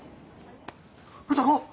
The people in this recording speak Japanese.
歌子！